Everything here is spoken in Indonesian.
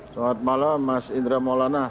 selamat malam mas indra maulana